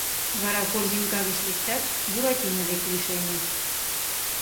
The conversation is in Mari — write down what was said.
Вара корзинка гыч лектат, Буратино дек лишеме.